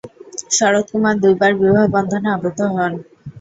শরৎকুমার দুইবার বিবাহবন্ধনে আবদ্ধ হন।